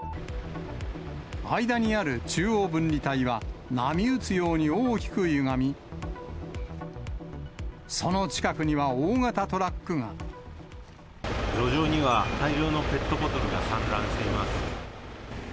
間にある中央分離帯は、波打つように大きくゆがみ、路上には、大量のペットボトルが散乱しています。